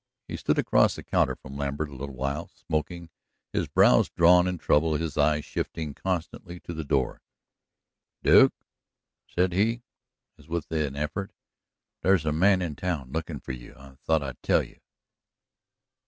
He stood across the counter from Lambert a little while, smoking, his brows drawn in trouble, his eyes shifting constantly to the door. "Duke," said he, as if with an effort, "there's a man in town lookin' for you. I thought I'd tell you."